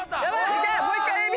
もう１回ＡＢ！